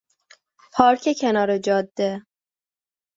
پارک کنار جاده